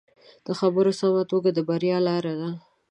د خبرو سمه توګه د بریا لاره ده